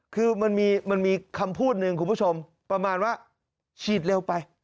คือมันมีคำพูดหนึ่งคุณผู้ชมประมาณว่าฉีดเร็วไป